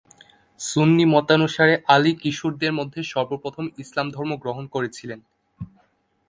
সুন্নি মতানুসারে আলী কিশোরদের মধ্যে সর্বপ্রথম ইসলাম ধর্ম গ্রহণ করেছিলেন।